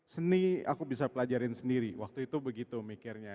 seni aku bisa pelajarin sendiri waktu itu begitu mikirnya